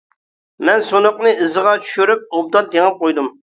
مەن سۇنۇقنى ئىزىغا چۈشۈرۈپ ئوبدان تېڭىپ قويدۇم.